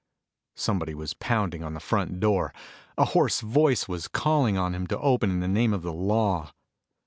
Somebody was pounding on the front door. A hoarse voice was calling on him to open in the name of the law.